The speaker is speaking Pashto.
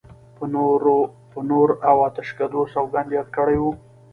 په نور او آتشکدو سوګند یاد کړی و.